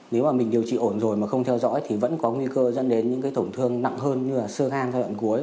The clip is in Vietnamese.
nếu mà mình điều trị ổn rồi mà không theo dõi thì vẫn có nguy cơ dẫn đến những cái tổn thương nặng hơn như là sơ gan giai đoạn cuối